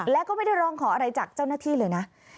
แล้วก็ไม่ได้ร้องขออะไรจากเจ้าหน้าที่เลยนะ